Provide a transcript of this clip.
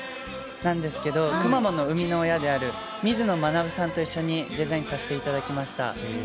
なんですけど、くまモンの生みの親である水野学さんと一緒にデザインさせていただきました。